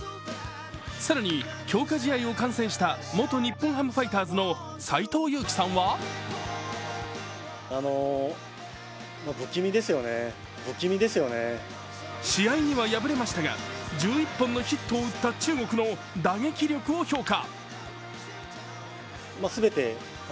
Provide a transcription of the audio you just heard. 更に強化試合を観戦した元日本ハムファイターズの斎藤佑樹さんは試合には敗れましたが１１本のヒットを打った中国の打撃力を評価。